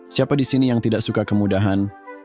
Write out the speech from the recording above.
siapa di sini yang tidak suka kemudahan